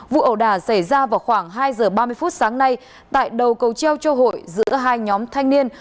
vụ ẩu đà xảy ra vào khoảng hai h ba mươi sáng nay tại đầu cầu treo châu hội giữa hai nhóm thanh niên